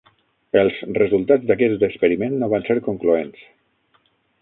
Els resultats d'aquest experiment no van ser concloents.